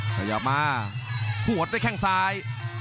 ขยับมาหัวได้แคน่งซ้าย